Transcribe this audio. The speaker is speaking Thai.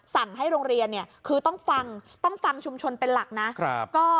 สั่งให้โรงเรียนคือต้องฟังชุมชนเป็นหลักนะ